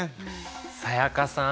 才加さん